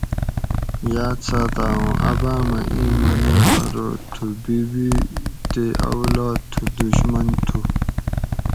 یاد ساتاۤ اُوں اۤبامہ اِیں منو ارو تھوں بی بی تے اولاد تھوں دشمن تھو